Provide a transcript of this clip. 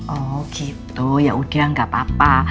oh gitu yaudah gak papa